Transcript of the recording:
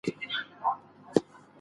بحرانونو ته باید له مخکې چمتووالی ولرو.